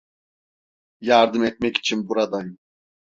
Yardım etmek için buradayım.